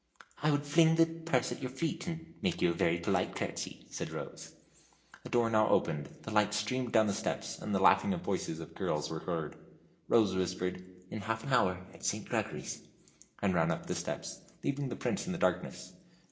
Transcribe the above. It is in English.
"I would fling the purse at your feet, and make you a very polite curtsey," said Rose. A door now opened; the light streamed down the steps, and the laughing voices of girls were heard. Rose whispered: "In half an hour, at St. Gregory's," and ran up the steps, leaving the Prince in the darkness.